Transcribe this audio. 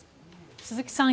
鈴木さん